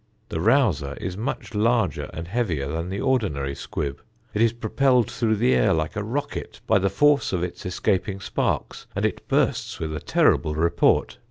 The rouser is much larger and heavier than the ordinary squib; it is propelled through the air like a rocket by the force of its escaping sparks; and it bursts with a terrible report.